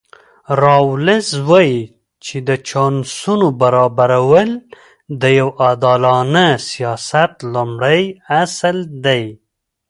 راولز وایي چې د چانسونو برابرول د یو عادلانه سیاست لومړی اصل دی.